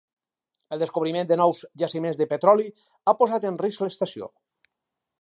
El descobriment de nous jaciments de petroli ha posat en risc l'estació.